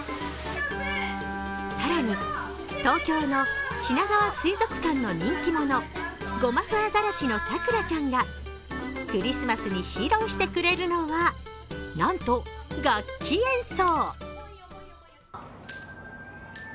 更に、東京のしながわ水族館の人気者ゴマフアザラシのさくらちゃんがクリスマスに披露してくれるのは、なんと楽器演奏。